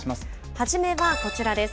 初めはこちらです。